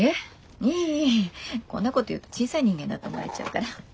こんなこと言うと小さい人間だと思われちゃうから。